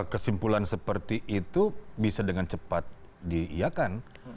kesimpulan seperti itu bisa dengan cepat diiakan